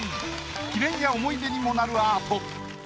記念や思い出にもなるアート。